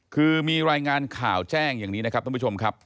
คือมีรายงานข่าวแจ้งอย่างนี้นะครับท่านผู้ชมครับ